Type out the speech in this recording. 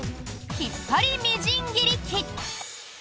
引っ張りみじん切り器。